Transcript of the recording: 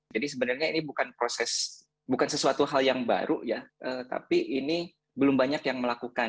jadi sebenarnya ini bukan proses bukan sesuatu hal yang baru ya tapi ini belum banyak yang melakukan